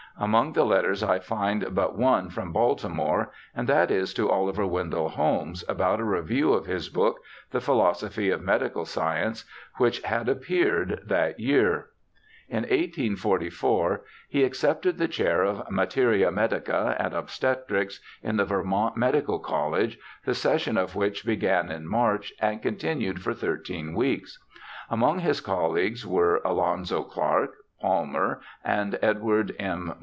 Among the letters I find but one from Baltimore, and that is to Oliver Wendell Holmes about a review of his book, 77?^ Philosophy of Medical Science, which had appeared that year. In 1844 he accepted the chair of materia medica and obstetrics in the Vermont Medical College, the session of which began in March and continued for thirteen weeks. Among his colleagues were Alonzo Clark, Palmer, and Edward M.